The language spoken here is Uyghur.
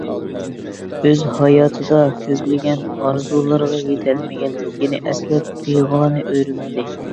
ئۆز ھاياتىدا كۆزلىگەن ئارزۇلىرىغا يېتەلمىگەنلىكىنى ئەسلەپ پىغانى ئۆرلىدى.